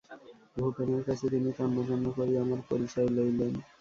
ভূপেনের কাছে তিনি তন্ন তন্ন করিয়া আমার পরিচয় লইলেন।